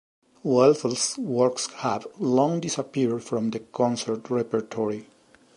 Woelfl's works have long disappeared from the concert repertory.